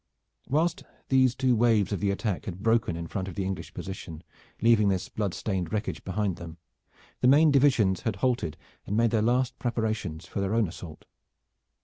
Whilst these two waves of the attack had broken in front of the English position, leaving this blood stained wreckage behind them, the main divisions had halted and made their last preparations for their own assault.